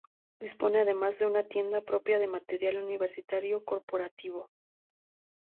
Dispone además de una tienda propia de material universitario corporativo.